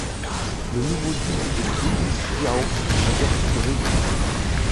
Le nouveau duc de Qi, Xiao, n'a guère plus de réussite.